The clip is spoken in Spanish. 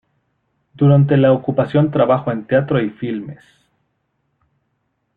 Durante la ocupación trabajo en teatro y filmes.